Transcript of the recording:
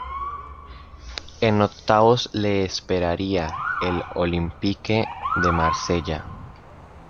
En octavos le esperaría el Olympique de Marsella.